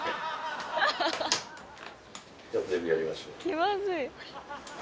気まずい。